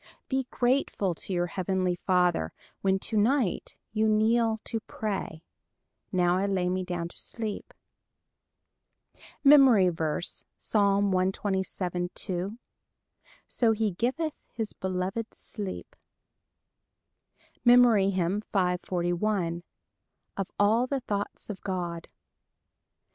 Be grateful to your heavenly Father when to night you kneel to pray: "Now I lay me down to sleep." MEMORY VERSE, Psalm 127: 2 "So he giveth his beloved sleep." MEMORY HYMN _"Of all the thoughts of God."